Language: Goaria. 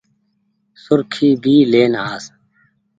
سرڪي ڀي لين آس۔